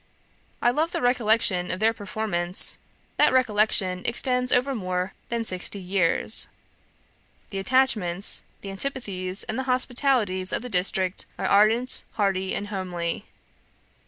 I love the recollection of their performance; that recollection extends over more than sixty years. The attachments, the antipathies and the hospitalities of the district are ardent, hearty, and homely.